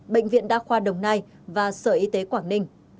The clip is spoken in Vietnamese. bệnh viện đa khoa đồng nai và sở y tế quảng ninh